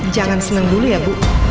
jangan seneng dulu ya ibu